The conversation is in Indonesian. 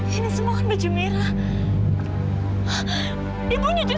kamu tuh kakak sekali gak punya hati ya